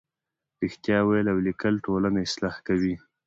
رښتیا ویل او لیکل ټولنه اصلاح کوي.